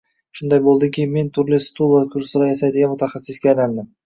Shunday bo`ldiki, men turli stul va kursilar yasaydigan mutaxassisga aylandim